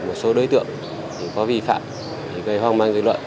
một số đối tượng có vi phạm gây hoang mang dưới loại